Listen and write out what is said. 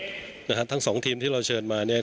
มากที่สุดนะครับทั้งสองทีมที่เราเชิญมาเนี้ย